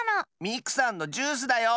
ミクさんのジュースだよ！